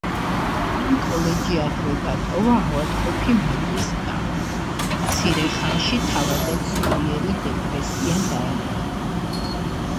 რაილიმ კოლეჯი ადრე დატოვა ავადმყოფი მამის გამო; მცირე ხანში თავადაც სულიერი დეპრესია დაემართა.